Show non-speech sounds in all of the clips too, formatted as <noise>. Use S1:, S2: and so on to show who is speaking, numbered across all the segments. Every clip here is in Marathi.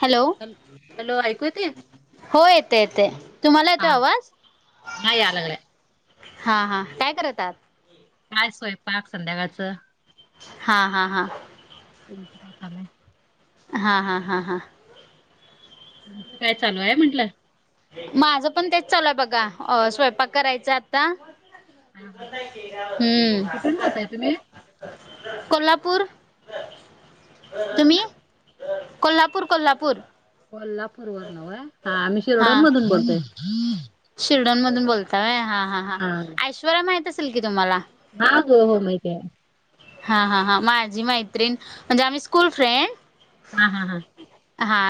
S1: हॅलो
S2: हॅल हॅलो ऐकू येतंय?
S1: हो येते येते तुम्हाला येतो आवाज?
S2: नाही आल गड्या.
S1: हां हां काय करत आहात?
S2: काय स्वयंपाक संध्याकाळचं.
S1: हा हा हा.
S2: तुमच काय चालू आहे.
S1: हा हा हा हा.
S2: तुमचं काय चालू आहे म्हटलं?
S1: माझं पण तेच चालूय बघा अ स्वयंपाक करायचा आता
S2: हा हा
S1: हम्म.
S2: कुठून बोलताय तुम्ही
S1: कोल्हापूर तुम्ही?
S2: कुठनं?
S1: कोल्हापूर कोल्हापूर.
S2: कोल्हापूर वरन व्हय हा आम्ही शिरडन मधून बोलतोय.
S1: शिर्डन मधून बोलताय हा हा हां ऐश्वर्या माहीत असेल की तुम्हांला?
S2: हा ग हो माहिती आहे.
S1: हा हा हां माझी मैत्रीण म्हणजे आम्ही स्कूल फ्रेंड
S2: हा हा हां.
S1: हा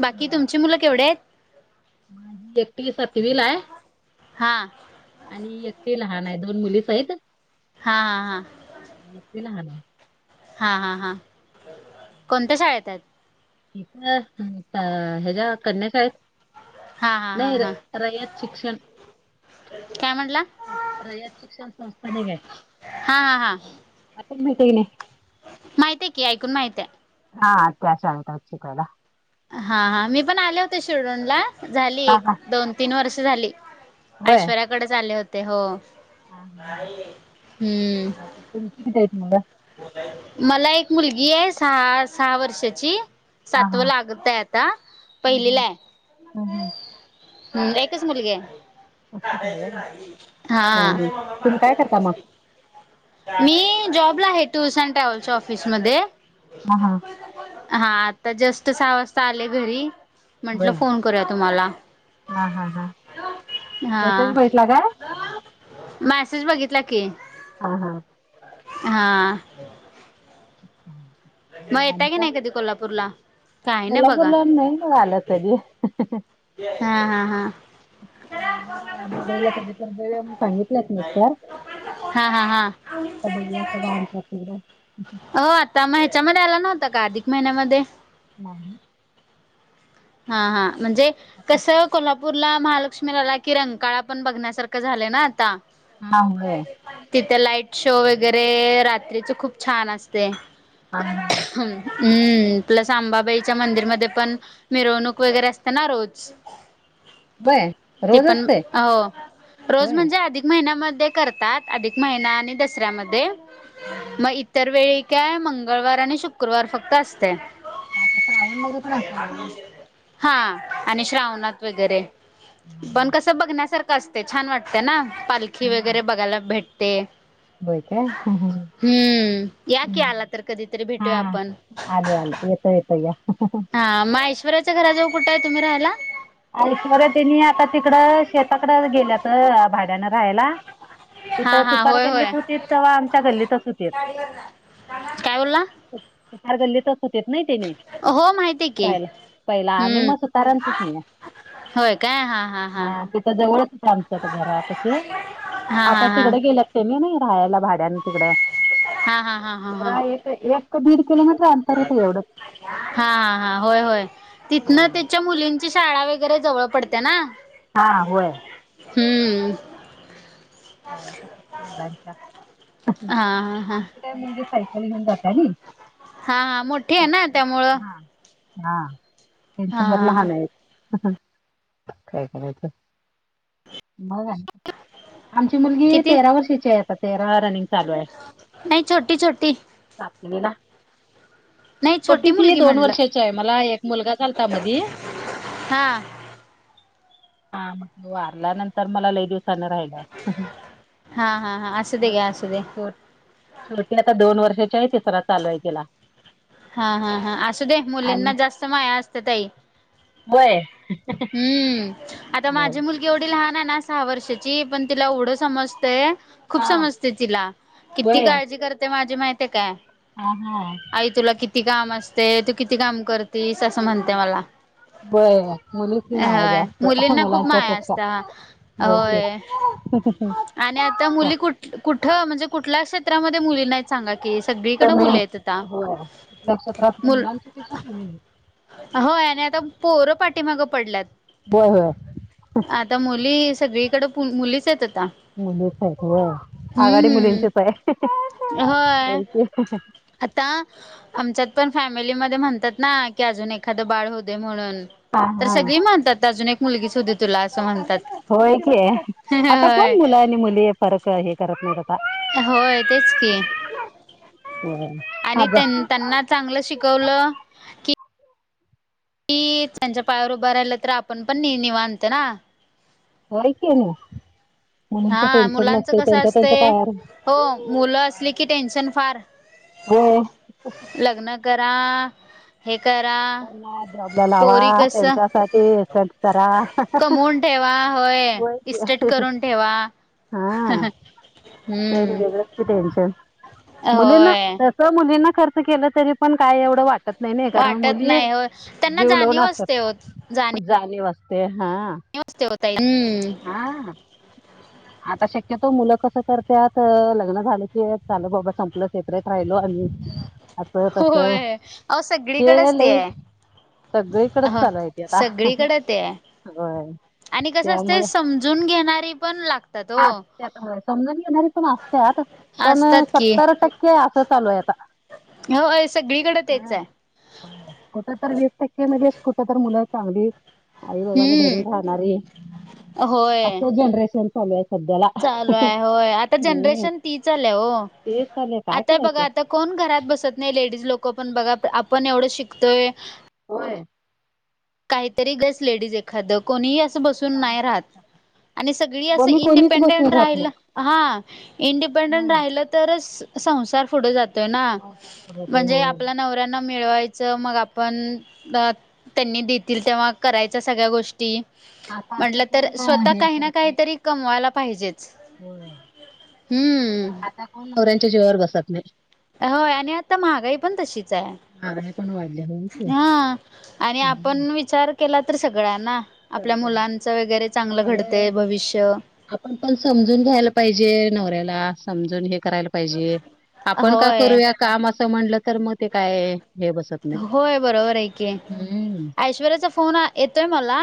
S1: बाकी तुमची मुलं केवढे आहेत?
S2: माझी एक ती सातवी ला आहे.
S1: हा.
S2: आणि एक ती लहान आहे दोन मुलीच आहेत.
S1: हा हा हा.
S2: <unintelligible>
S1: हा हा हा, कोणत्या शाळेत आहे?
S2: ठीक हच्या कन्यात आहे.
S1: हां हां हां
S2: नाही रे
S1: हां
S2: रयात शिक्षण. <inaudible>
S1: काय म्हणलं?
S2: रयत शिक्षण संस्थान ग.
S1: हा हा हा.
S2: आपण भेटे नाही.
S1: माहितय की ऐकून माहितय.
S2: हा अत्याशार येतची पहिला.
S1: हा हा, मी पण आले होते शेडून ला झाली
S2: हा
S1: एक,
S2: हा
S1: दोन-तीन वर्ष झाली.
S2: होय.
S1: ऐश्वर्याकडेच आले होते हो,
S2: हा हा हा.
S1: हम्म.
S2: तुमची किती आहेत मुल?
S1: मला एक मुलगी आहे सहा, सहा वर्षाची.
S2: हा हा.
S1: सातव लागत आहे आता,
S2: हम्म
S1: पहिलीला‌
S2: हम्म.
S1: आहे.
S2: हम्म हम्म.
S1: हम् एकयकच मुल आहे,
S2: होय व्हय.
S1: हा.
S2: तुम्ही काय करता मग?
S1: मी जॉबला आहे टूर्स अँड ट्रॅव्हल्सच्या ऑफिसमध्ये.
S2: ह हां.
S1: हा आता जास्ट सहा वाजता आले घरी.
S2: होय.
S1: म्हंटलं फोन करूया तुम्हाला,
S2: हा हा हा मेसेज
S1: हा.
S2: भेटला काय?
S1: मॅसेज बघितला की.
S2: हा हा.
S1: हा.
S2: हम्म.
S1: मग येेता की नाही कधी कोल्हापूरला? काय ना बघा
S2: कोल्हापूरला नाही मग आलं कधी.
S1: हा हा हा.
S2: न अंबाबाईला कधी तर जाऊया सांगितलंत असल असत.
S1: हा हा हा.
S2: <unintelligible>
S1: हो आता म ह्याच्यामध्ये आला नव्हता का अर्धक महिन्यामध्ये?
S2: नाही.
S1: हा हा, म्हणजे
S2: आता.
S1: कसं को्हापू पूरला महालक्ष्मीला की रंगकाळा पण बघण्यासारखं झाले ना आता.
S2: हा हय.
S1: तिथे लाईट शो वगैरे रात्रीचे खूप छान असते.
S2: <unintelligible>
S1: ह हम्म, प्लस अंबाबाईच्या मंदिरमध्ये पण मिरउनिक वगैरे असस्ना रोज.
S2: होय
S1: ते
S2: रोज
S1: पण
S2: असतंय
S1: हो रोज
S2: होय.
S1: म्हणजे आधिक महिन्यामध्ये करतात अधिक महिना आणि दसऱ्यामध्ये,
S2: हा हा.
S1: मग इतर वेळी काय मंगळवार आणि शुक्रवार फक्त असते.
S2: हा त श्रावण मध्ये पण असतात.
S1: हा आणि श्रावणात वगैरे,
S2: हा
S1: पण
S2: हा.
S1: कस बघण्यासारखं असते छान वाटते ना पालखी वगैरे बघायला भेटते.
S2: हो काय हम्म हम् हम्.
S1: हम्म, या की आला तर कधीतरी
S2: हा
S1: भेटूया आपण.
S2: आले येतो येतो या.
S1: हां, मग ऐश्वर्याच्या घराजऊळ कुठे आहे तुम्ही राहायला?
S2: ऐश्वर्या त्यांनी आता तिकडं शेताकडे गेल्यात भाड्यानं राहायला.
S1: हा
S2: इथं
S1: हा
S2: सुतार
S1: होय होय
S2: गल्लीत होती तव्हां आमच्या गल्लीतच होती.
S1: काय बोलला?
S2: तार गल्लीतच होतेत नाही त्याने,
S1: हो माहिती आहे की
S2: राहायला पहिला आमी म
S1: हम्म
S2: सुताराणचेच मीं.
S1: होय काय? हां.
S2: हा तिथं जवळच होत आमच घरा पाशी,
S1: हा हा हा
S2: आता तिकडं
S1: हा
S2: गेल्यात. त्यांनी नाही राहायला भाड्यान तिकडं
S1: हा हा हा हा
S2: राह एक एक का एक दीड किलोमीटर अंतर होत एवढंच.
S1: हा हा हा होय होय
S2: हा
S1: तिथन त्याच्या मुलीं ची शाळा वगैरे जवळ पडते ना.
S2: हा होय.
S1: हम्म.
S2: शाळेच्या मुलांच्या
S1: हा हा हा
S2: आमची काय मुलगी सायकल घेऊन जाते आणि
S1: हां हां मोठीे आहे ना त्यामुळं.
S2: हां
S1: हा
S2: त्यांच घर
S1: हा हा
S2: लहान आहे काय करायचं? मग आहे आमची मुलगी
S1: किती
S2: तेरा वर्षाची आहे आता तेरा रनिंग चालू आहे.
S1: नाही छोटी छोटी.
S2: सातवीला.
S1: नाही छोटी
S2: पतीती
S1: मुलगी
S2: दोन
S1: म्हणलं
S2: वर्षाची आहे मला एक मुलगा झालता मधी.
S1: हां.
S2: हा मग वारल्यानंतर मला लई दिवस सान राहिला
S1: हा हा हा असू दे
S2: म
S1: घ्या असू दे
S2: शेव शेवटी आता दोन वर्षाची आहे तिसरा चालूय तिला.
S1: हा हा हा असूदे
S2: आणि
S1: मुलींना जास्त माया असते ताई.
S2: होय.
S1: हम्म आता
S2: मग
S1: माझी मुल एवढी लहान हाय ना सहा वर्षाची पण तिला एवढं समजतंय. खूप
S2: हा
S1: समजते तिला किती
S2: होय
S1: काळजी करते माझी माहिती आहे काय?
S2: हा हा.
S1: आई तुला किती काम असते तू किती काम करतीस असं म्हणते मला.
S2: <unintelligible> मुली ची माया
S1: होय
S2: जास्त
S1: मुलींना खूप
S2: मुलांच्या
S1: माया
S2: पेक्षा
S1: असत्या
S2: होती.
S1: होय आणि आता मुली कुठ कुठं म्हणजे कुठल्या क्षेत्रामध्ये मुली नाहीत? सांगा की सगळीकड
S2: कमी
S1: मुल येत आता
S2: होय कुठल्या क्षेत्रात
S1: मुलं
S2: मुलांच्या पेक्षा कमी नाही.
S1: होय आणि आता पोरं पाठीमागं पडल्यात.
S2: बोय होय.
S1: आता मुली सगळीकड पु मुलीच आहेत आता.
S2: मुलीच हायत व्हय आघाडी
S1: हम्म
S2: मुलींचीच आहे
S1: होय
S2: <unintelligible>
S1: आता आमच्यात पण फॅमिलीमध्ये म्हणतात ना की आजून एखाद बाळं होऊ दे म्हणून
S2: हा
S1: तर
S2: हा
S1: सगळी म्हणतात अजून एक मुलगीच होऊ दे तुला असं म्हणतात.
S2: होय की आता
S1: होय
S2: कोण मुलं आणि मुली फरक हे करत नाही.
S1: होय तेच की
S2: होय
S1: आणि
S2: आजा
S1: त्यां त्यांना चांगलं शिकवलं की त्यांच्या पायावर उभा राहिलं तर आपण पण नि निवांत ना.
S2: व्हय की त्यांच
S1: हा
S2: टेन्शन
S1: मुलांच
S2: नसते
S1: कसं
S2: त्यांच्या त्यांच्या
S1: असते
S2: पायावर
S1: हो मुलं असले की टेन्शन फार
S2: होय.
S1: लग्न करा अ हे करा
S2: त्यांना जॉबला लावा
S1: पोरी कस
S2: त्यांच्यासाठी इस्टेट करा.
S1: कमवून ठेवा होय इस्टेट करून ठेवा हम्म.
S2: टे्शन मुलींना
S1: होय
S2: तस मुलींना खर्च केलं तरी पण काय एवढं वाटत नाही. नाही नाही दहा मु
S1: वाटत नाही हो त्यांना जाणीव असते हो जाणीव.
S2: जाणीव असते हा
S1: जाणीव असते हो ताई हम्म
S2: हां
S1: ह <inaudible>
S2: आता शक्यतो मुलं कसं करत्यात लग्न झालं की चाल बाबा संपलं सेपरेट राहिलो आम्ही असं तसं
S1: होय अहो
S2: ते
S1: सगळीकडेच
S2: लय.
S1: आहे
S2: सगळीकडच
S1: अ
S2: चालू आहे आता
S1: सगळीकडे ते आहे
S2: बर
S1: आणि कसं असते समजून घेणारी पण लागत
S2: त समजून घेणारे पण असतत पण
S1: असतात की
S2: सत्तर टक्के असं चालू आहे आता.
S1: हो सगळीकडे तेच आहे
S2: कुठ तर वीस टक्के मध्येेच कुठ तर मुलं चांगली आई बाबाला धरून
S1: हम्म.
S2: राहणारी
S1: होय
S2: असं जनरेशन चालूय.
S1: चालू आहे होय आता जनरेशन ती चालू आहे हो
S2: तेच चाललंय काय
S1: आता
S2: करायचं.
S1: बघा आता. कोण घरात बसत नाही लेडीज लोक पण बघा आपण एवढं शिकतोय.
S2: होय
S1: काहीतरी गेस लेडीज एखादं कोणीही असं बसून
S2: काम
S1: नाही राहत.
S2: करत रहा.
S1: आणि सगळी असं इंडिपेंडेंट
S2: राहत
S1: राहिला
S2: नाही.
S1: हां. इंडिपेंडंट
S2: हम्म
S1: राहिलं तरच संसार पुढे जातोय ना
S2: ते
S1: म्हणजे
S2: होय.
S1: आपला नवरा मिळवायच मग आपण त्यांनी देतील तेव्हा करायचा सगळ्या गोष्टी.
S2: आता असं
S1: म्हटलं तर
S2: कोण
S1: स्वतः
S2: हे
S1: काही ना
S2: करत नाही.
S1: काहीतरी कमवायला पाहिजेच.
S2: होय
S1: हम्म
S2: आता नवऱ्यांच्या जिवावर बसत नाही.
S1: होय आणि आता महागाई पण तशीच आहे.
S2: महागाई पण वाढले.
S1: हां आणि आपण विचार केला तर सगळ्यांना आपल्या मुलांचं वगैरे चांगलं
S2: होय.
S1: घडतेय भविष्य.
S2: आपण पण समजून घ्यायला पाहिजे नवऱ्याला समजून हे करायला पा पाहिजे आपण का
S1: होय
S2: करूया काम असं म्हणलं तर मग ते काय हे बसत नाही.
S1: होय बरोबर आहे की
S2: हम्म.
S1: ऐश्वर्याचा फोन येतोय मला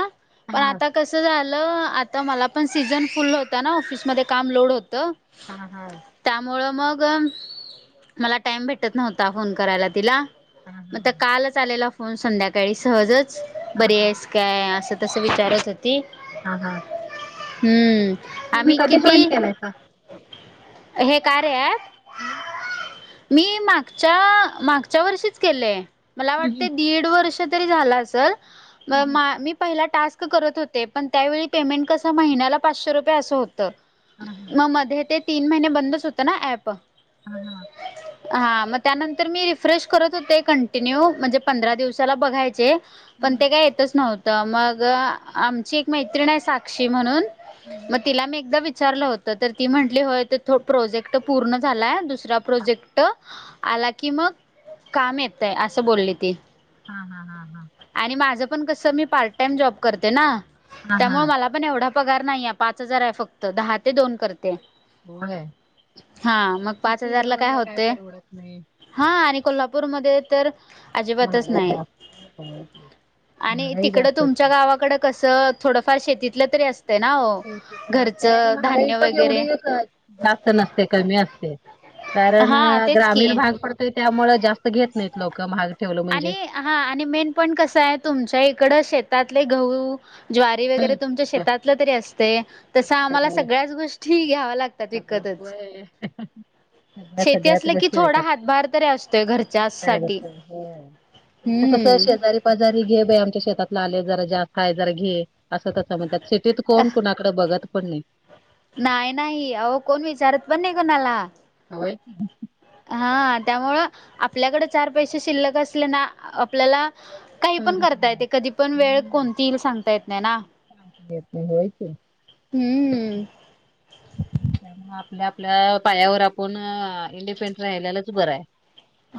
S1: पण
S2: हा
S1: आता कस झालं आता मला पण सीझन फुल होता ना ऑफिसमध्ये काम लोड होत.
S2: हा हां
S1: त्यामुळं मग मला टाईम भेटत नव्हता फोन करायला तिला. मग तर कालच आलेला फोन संध्याकाळी सहजच
S2: हा
S1: बरी
S2: हा
S1: आहेस का? काय असं तसं विचारत होती.
S2: हा हां
S1: हम्म आम्ही किती
S2: जॉईन केलायसा?
S1: हे काय रे
S2: हम्म
S1: मी मागच्या मागच्या वर्षीच केलेय मला वाटतं दीड वर्ष तरी झालं असेल मी पहिला टास्क करत होते पण त्यावेळी पेमेंट कस महिन्याला पाचशे रुपये असं होत. मग मध्ये ते तीन महिने बंदच होत ना ऍप
S2: हां
S1: हा मग त्यानंतर मी रिफ्रेश करत होते कंटिन्यू म्हणजे पंधरा दिवसाला बघायचे. पण ते काय येतच नव्हत मग आमची एक मैत्रिण आहे साक्षी म्हणून मग तिला मी एकदा विचारलं होत तर ती म्हंटली हो प्रोजेक्ट पूर्ण झाला. दुसरा प्रोजेक्ट आला की मग काम येत आहे असं बोलली ती
S2: हा हा हा हा
S1: आणि माझं पण कस मी पार्ट टाइम जॉब करते ना
S2: हा हा
S1: त्यामुळे मला पण एवढा पगार नाही आहे पाच हजार आहे फक्त दहा ते दोन करते.
S2: होय.
S1: हा मग पाच
S2: सिटी
S1: हजारला
S2: लेवल ला काय
S1: होते
S2: परवडत नाही.
S1: हा आणि कोल्हापूरमध्ये तर अजिबातच
S2: महागाई
S1: नाही
S2: जास्त आहे.
S1: आणि तिकड तुमच्या गावाकड कसं थोडंफार शेतीतलं तरी असत. हो ते नाव <unintelligible>
S2: शेतीतल अस आणि महागाई पण एवढी जास्त नसते कमी असते. कारण
S1: हा तेच की
S2: ग्रामीण भाग पडतोय त्यामुळ जास्त घेत नाहीत लोक महाग ठेवलं
S1: आणि
S2: म्हणजे.
S1: हा आणि मेन पॉईंट कसं आहे तुमच्या इकडं शेतातले गहू ज्वारी वगैरे तुमच्या शेतातलं तरी असते तस
S2: असतय
S1: आम्हाला
S2: होय.
S1: सगळ्याच गोष्टी घ्याव्या लागत.
S2: सगळं होय.
S1: शेती
S2: सध्यात
S1: असलं की
S2: मशी
S1: थोडा
S2: बात
S1: हातभार तरी असतोय घरच्यासाठी
S2: <unintelligible> तुमच कस
S1: हम्म
S2: शेजारी पाजारी घे बाई आमच्या शेतातला आले जरा जास्त आहे जरा घे असं तस म्हणतात. सिटीत कोण कोणाकडे बघत पण नाही.
S1: नाही नाही अहो कोण विचारत पण नाही कोणाला.
S2: होय.
S1: हा त्यामुळं आपल्याकडे चार पैसे शिल्लक असले ना आपल्याला काही पण
S2: तरच
S1: करता
S2: बरं आहे.
S1: येते कधी पण वेळ
S2: हम्म.
S1: कोणती येईल सांगता येत नाही ना.
S2: येत नाही होय की
S1: हम्म.
S2: त्यामुळ आपल्या आपल्या पायावर आपण इंडिपेंडं राहिल्यालाच बरंय.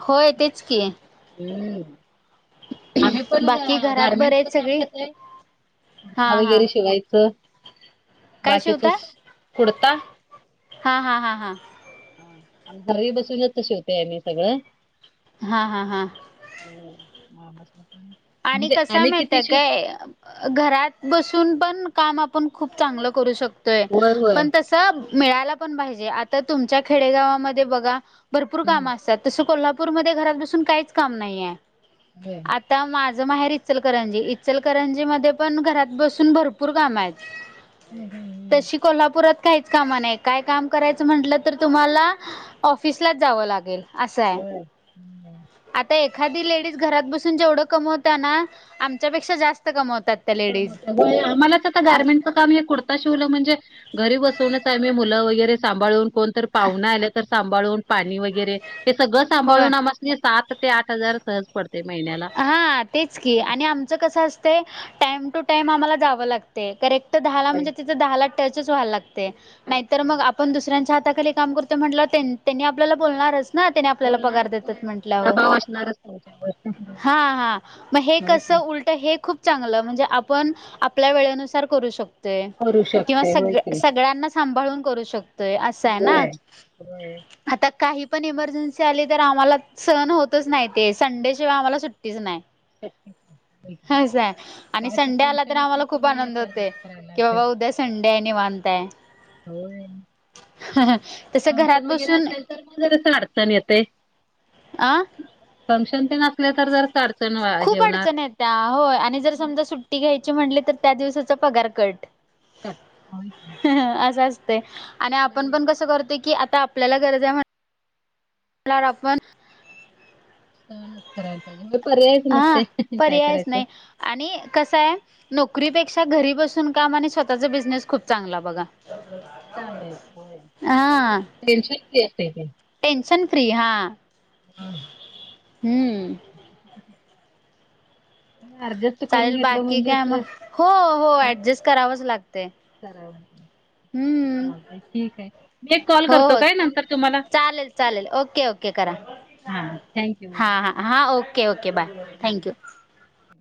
S1: होय तेच की,
S2: हम्म, आम्ही पण
S1: बाकी
S2: अ
S1: घरात बरे
S2: गारमेंटच
S1: आहेत
S2: काम
S1: सगळी
S2: घेतोय
S1: हा
S2: कुडता
S1: हा
S2: वगैरे शिवायचं
S1: काय शिवताय?
S2: बाकीच कुडता
S1: हा हा हा हा
S2: आम्ही घरी बसूनच शेवते आमी सगळं
S1: हा हा हा
S2: हो <unintelligible>
S1: आणि
S2: म्हणजे
S1: कसा
S2: आम्ही किती
S1: माहितेय
S2: शिव
S1: काय अ घरात बसून पण काम आपण खूप चांगलं करू शकतोय
S2: होय होय
S1: पण तस मिळायला पण पाहिजे आता तुमच्या खेडेगावामध्ये बघा भरपूर
S2: हम्म
S1: काम असतात. तसं कोल्हापूरमध्ये घरात बसून काहीच काम नाहीय.
S2: होय.
S1: आता माझ माझ माहेर इचलकरंजी इचलकरंजी मध्ये पण घरात बसून भरपूर काम आहेत.
S2: हम्म हम् हम्
S1: तशी कोल्हापुरात काहीच काम नाही काय काम करायचं म्हटलं तर तुम्हाला ऑफिसलाच जावं लागेल. असं आहे
S2: होय हं.
S1: आता एखादी लेडीज घरात बसून जेवढं कमवत त्यांना आमच्यापेक्षा जास्त कमवत्यात.
S2: आम्हालाच येत गार्मेंट हे कुडता शिवल म्हणजे घरी बसूनचय मुलं वगैरे सांभळून कोणतर पाहुना आलं तर सांभाळून पाणी वगैरे हे सगळं
S1: होय
S2: सांभाळून आम्हास सात ते आठ हजार सहज पडतय महिन्याला
S1: हा तेच की आणि आमचं कसं असतय टाइम टू टाइम आम्हाला जावं लागतय करेक्ट दहा ला
S2: होय.
S1: म्हणजे तिथं दहाला टचच व्हाय लागतंय नाहीतर
S2: अच्छा
S1: मग आप पण दुसऱ्यांच्या हाताखाली काम करतोय म्हंटल्याव त्यांनी आपल्याला बोलणारच. ना त्यानी आपल्याला पगार देतेत म्हंटल्यावर.
S2: <unintelligible> त्यांच्यावर
S1: हा हा मग हे कसं उल हे खूप चांगलं म्हणजे आपण आपल्या वेळेनुसार करू शक असय
S2: करू
S1: किंवा
S2: शकते होय
S1: सग
S2: की
S1: सगळ्यांना सांभाळून करू शक तोय असंयना
S2: होय होय.
S1: आता काही पण इमर्जन्सी आली तर आम्हाला सहन होतच नाही ते संडे शिवाय आम्हाला सुट्टीच नाह
S2: <unintelligible>
S1: <unintelligible> असय आणि
S2: काय
S1: संडे आला तर
S2: फंक्शन असलं
S1: आम्हाला खूप आनंद
S2: लयच
S1: होतय
S2: ऍडजस्ट करायला
S1: की
S2: लागते.
S1: बाबा उद्या संडेय निवांत ते <unintelligible>
S2: होय
S1: हं हं <inaudible>
S2: फंक्शन वगैरे असेल तर म जरास आडचन नाही येतेय
S1: अ
S2: फंक्शन ते आसन असल तर जरास अडचण हे होणार
S1: त्या होय आणि जर समजा सुट्टी घ्यायची म्हटली तर त्या दिवसाचा पगार कट
S2: का हो <unintelligible>
S1: असं असतय आणि आपण पण कसं करतो की आता आ आपल्याला गरजय म्हण आपण
S2: सहनच करायला पाहिजे हो पर्यायच
S1: हा
S2: नसतोय काय
S1: पर्यायच
S2: करायचं?
S1: नाही आणि कसंय नोकरीपेक्षा घरी बसून काम आणि स्वतःचा बिझनेस खूप चांगला बघा <inaudible> हा
S2: श अस ते <unintelligible> <inaudible>
S1: टेंन्शन फ्री हा हा
S2: हारज <unintelligible> करून
S1: चालेल
S2: घेतलं
S1: बाकी
S2: म्हणजे
S1: काय मग
S2: असं <unintelligible>
S1: हो हो ऍडजस्ट करावंच लागते
S2: करा
S1: हम्म
S2: ठीकय मी एक कॉल
S1: हो
S2: करतो
S1: हो
S2: काय नंतर तुम्हाला
S1: चालेल चालेल ओके ओके करा
S2: हा थँक्यू.
S1: हां हां हां ओके ओके बाय
S2: हा.
S1: थँक्यू.